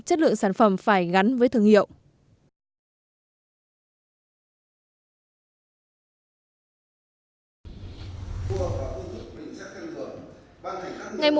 chất lượng sản phẩm phải gắn với thương hiệu